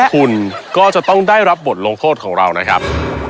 คุณก็จะต้องได้รับบทลงโทษของเรานะครับ